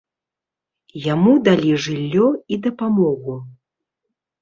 Яму далі жыллё і дапамогу.